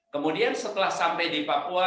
kemudian setelah sampai di papua